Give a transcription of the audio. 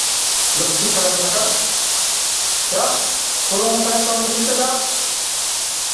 লক্ষ্মীছাড়া কোথাকার, যা খুড়োমশায়ের সঙ্গে শুইতে যা।